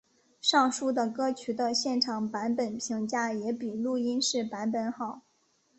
上述的歌曲的现场版本评价也比录音室版本好。